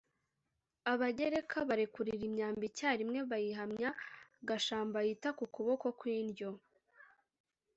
abagereka, barekurira imyambi icyarimwe bayihamya gashambayita ku kubokokw' indyo;